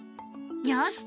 よし！